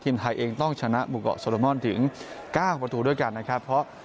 ทีมไทยเองต้องชนะบุเกาะโซโลมอนถึง๙ประตูด้วยกันนะครับเพราะ